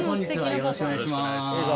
よろしくお願いします。